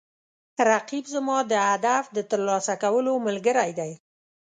رقیب زما د هدف د ترلاسه کولو ملګری دی